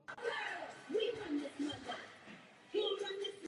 Seriál také poukazuje na ochranu přírody v různých regionech.